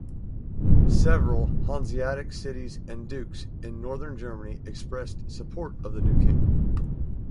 Several Hanseatic cities and dukes in Northern Germany expressed support of the new king.